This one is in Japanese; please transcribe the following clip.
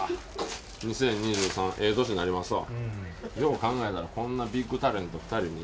２０２３、ええ年になりますわ。